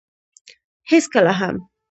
هېڅکله هم.